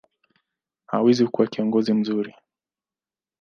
hawezi kuwa kiongozi mzuri.